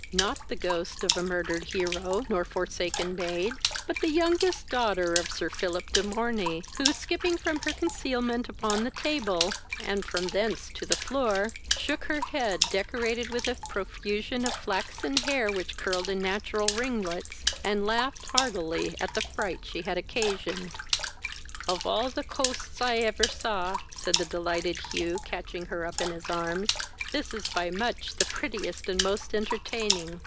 not the ghost of a murdered hero, nor forsaken maid, but the youngest daughter of Sir Philip de Morney, who skipping from her concealment upon the table, and from thence to the floor, shook her head, decorated with a profusion of flaxen hair, which curled in natural ringlets, and laughed heartily at the fright she had occasioned. "Of all the chosts I ever saw, (said the delighted Hugh, catching her up in his arms,) this is by much the prettiest and most entertaining.